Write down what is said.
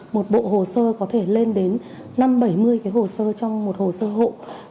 một bộ hồ sơ có thể lên đến năm bảy mươi cái hồ sơ trong một hồ sơ hộ